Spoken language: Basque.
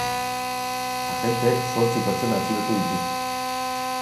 Agenteek zortzi pertsona atxilotu dituzte.